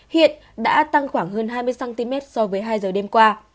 hiện đã tăng khoảng hơn hai mươi cm so với hai giờ đêm qua